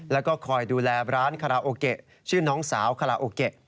แล้วก็คอยดูแลร้านคาราโอเกะชื่อน้องสาวคาราโอเกะ